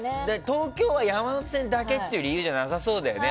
東京は山手線だけって理由じゃなさそうだよね。